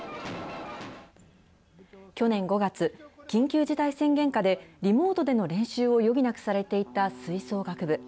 去年５月、緊急事態宣言下で、リモートでの練習を余儀なくされていた吹奏楽部。